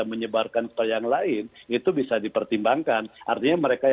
men access skill n konstituen tanpa kursi pemerintah pemerintah legahnya